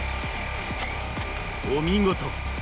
お見事！